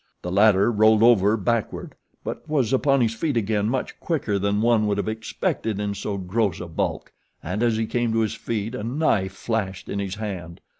The latter rolled over backward; but was upon his feet again much quicker than one would have expected in so gross a bulk, and as he came to his feet a knife flashed in his hand.